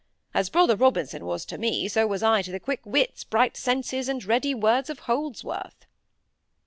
As Brother Robinson was to me, so was I to the quick wits, bright senses, and ready words of Holdsworth."